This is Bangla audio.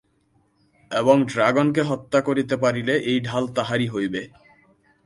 এবং ড্রাগনকে হত্যা করিতে পারিলে এই ঢাল তাহারই হইবে।